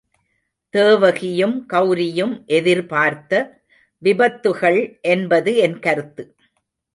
தேவகியும் கெளரியும் எதிர்பார்த்த விபத்து கள் என்பது என் கருத்து.